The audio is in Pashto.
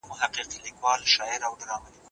زیات غوښه خوراک منفي اغېز لري.